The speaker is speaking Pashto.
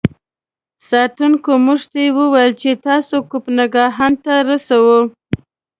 ساتونکو موږ ته و ویل چې تاسو کوپنهاګن ته رسوو.